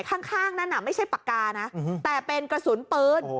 ข้างนั่นน่ะไม่ใช่ปากกานะแต่เป็นกระสุนปืน